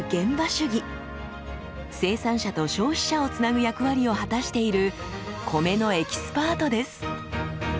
生産者と消費者をつなぐ役割を果たしている米のエキスパートです。